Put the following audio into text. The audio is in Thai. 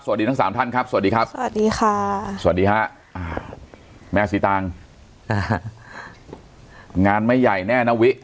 สวัสดีทั้ง๓ท่านครับสวัสดีครับสวัสดีค่ะแม่สีตางค์งานไม่ใหญ่แน่นะวิ